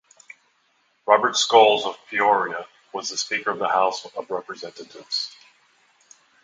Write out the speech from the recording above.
Robert Scholes of Peoria was the Speaker of the House of Representatives.